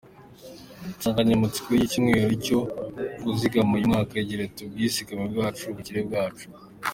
Insanganyamatsiko y’icyumweru cyo kuzigama uyu mwaka igira iti “Ubwizigame bwacu, ubukire bwacu.